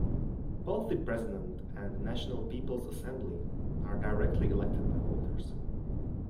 Both the President and the National People's Assembly are directly elected by voters.